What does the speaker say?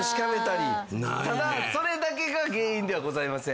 ただそれだけが原因ではございません。